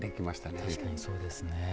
確かにそうですね。